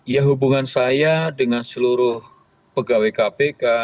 ya hubungan saya dengan seluruh pegawai kpk